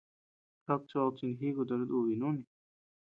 Kadi choʼod chinjíku tochi dùbii nuni.